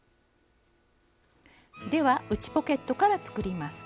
では内ポケットから作ります。